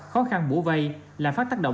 khó khăn bổ vây làm phát tác động